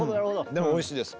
でもおいしいです。